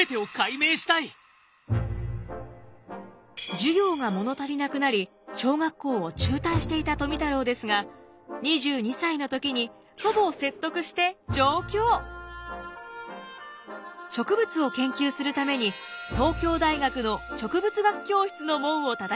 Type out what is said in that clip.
授業が物足りなくなり小学校を中退していた富太郎ですが植物を研究するために東京大学の植物学教室の門をたたきました。